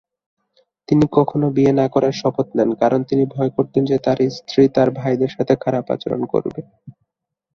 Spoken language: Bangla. তিনি কখনো বিয়ে না করার শপথ নেন কারণ তিনি ভয় করতেন যে তার স্ত্রী তার ভাইদের সাথে খারাপ আচরণ করবে।